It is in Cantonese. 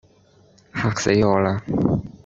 嚇死我啦